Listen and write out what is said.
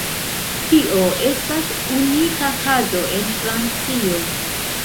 Tio estas unika kazo en Francio.